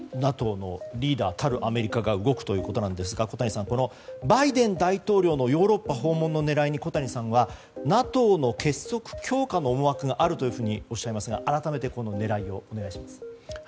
ＮＡＴＯのリーダーたるアメリカが動くということですが小谷さん、バイデン大統領のヨーロッパ訪問の狙いに、小谷さんはＮＡＴＯの結束強化の思惑があるというふうにおっしゃいますが改めてこの狙いをお願いします。